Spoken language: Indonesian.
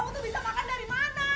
boleh kita belanja semua kamu